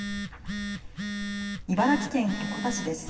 茨城県鉾田市です。